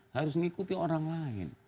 harus mengikuti orang lain